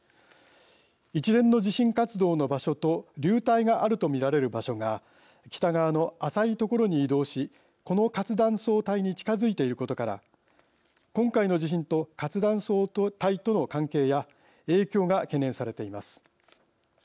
一連の地震活動の場所と流体があると見られる場所が北側の浅い所に移動しこの活断層帯に近づいていることから今回の地震と活断層帯との関係や影響が懸念されています。